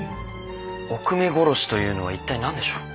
おくめ殺しというのは一体何でしょう？